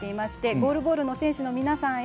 ゴールボールの選手の皆さんへ。